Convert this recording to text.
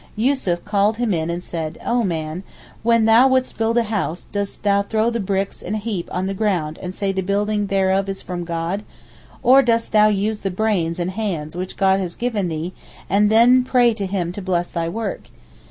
Yussuf called him in and said: 'Oh man, when thou wouldst build a house dost thou throw the bricks in a heap on the ground and say the building thereof is from God, or dost thou use the brains and hands which God has given thee, and then pray to Him to bless thy work?